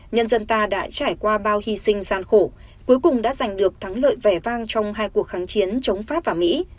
nhân dân ta đã trải qua bao hy sinh gian khổ cuối cùng đã giành được thắng lợi vẻ vang trong hai cuộc kháng chiến chống pháp và mỹ